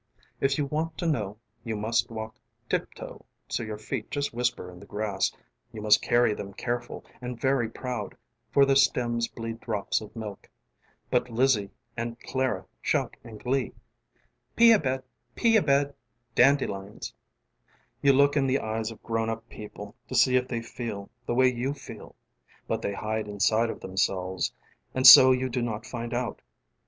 ┬Ā┬ĀIf you want to know, ┬Ā┬Āyou must walk tip toe ┬Ā┬Āso your feet just whisper in the grassŌĆö ┬Ā┬Āyou must carry them careful ┬Ā┬Āand very proud, ┬Ā┬Āfor their stems bleed drops of milkŌĆö ┬Ā┬Ābut Lizzie and Clara shout in glee: ┬Ā┬ĀPee a bed, pee a bedŌĆö ┬Ā┬Ādandelions! ┬Ā┬ĀYou look in the eyes of grown up people ┬Ā┬Āto see if they feel ┬Ā┬Āthe way you feelŌĆ" ┬Ā┬Ābut they hide inside of themselves, ┬Ā┬Āand so you do not find out.